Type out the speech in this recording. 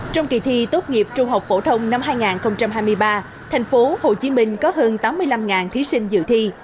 trong kỳ thi tốt nghiệp trung học phổ thông năm hai nghìn hai mươi ba thành phố hồ chí minh có hơn tám mươi năm thí sinh dự thi